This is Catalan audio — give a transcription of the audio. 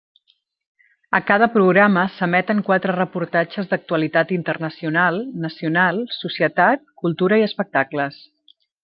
A cada programa s'emeten quatre reportatges d'actualitat internacional, nacional, societat, cultura i espectacles.